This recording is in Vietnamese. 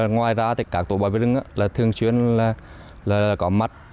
ngoài ra các tổ bảo vệ rừng là thường xuyên có mặt